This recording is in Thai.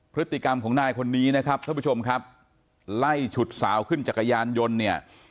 พฤติกรรมของนายคนนี้นะครับท่านผู้ชมครับไล่ฉุดสาวขึ้นจักรยานยนต์เนี่ย